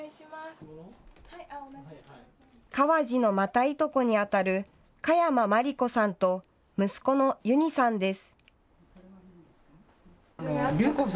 川路のまたいとこにあたる香山まり子さんと息子の由人さんです。